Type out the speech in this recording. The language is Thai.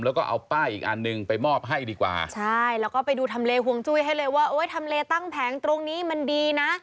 แล้วก็เอาป้ายอีกอันหนึ่งไปมอบให้ดีกว่าใช่แล้วก็ไปดูทำเลห่วงจุ้ยให้เลยว่าโอ้ยทำเลตั้งแผงตรงนี้มันดีนะ